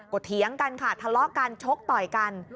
ก็เถียงกันค่ะทะเลาะกันชกต่อยกัน